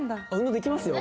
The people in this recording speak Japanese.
できますよ。